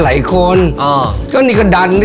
แล้วก็ผ่านไป